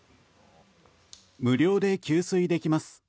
無料で給水できます。